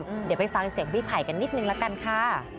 เดี๋ยวไปฟังเสียงวิภัยกันนิดหนึ่งแล้วกันค่ะ